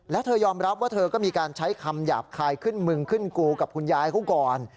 แล้วเธอยอมรับว่าเธอก็มีการใช้คำหยาบคายขึ้นมึงขึ้นกูกับคุณยายเขาก่อน